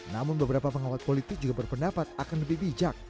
namun beberapa pengawat politik juga berpendapat akan lebih bijak